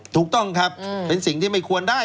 ถูกต้องครับเป็นสิ่งที่ไม่ควรได้